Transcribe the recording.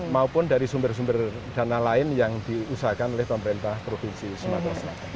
maupun dari sumber sumber dana lain yang diusahakan oleh pemerintah provinsi sumatera